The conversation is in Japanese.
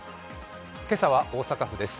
今朝は大阪府です。